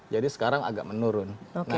jadi sekarang agak menurun